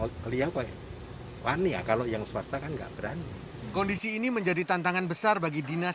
otelia kowe wani kalau yang swasta kan gak berani kondisi ini menjadi tantangan besar bagi dinas